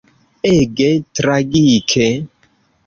Ege tragike.